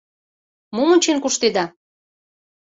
Мом ончен куштеда?